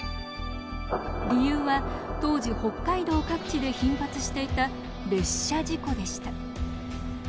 理由は当時北海道各地で頻発していた「列車事故」でした。